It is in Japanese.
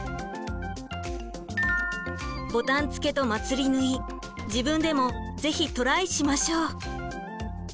ボタン付けとまつり縫い自分でも是非トライしましょう。